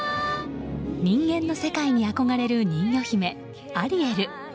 人間の世界に憧れる人魚姫アリエル。